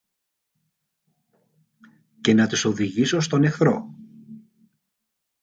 και να τους οδηγήσω στον εχθρό.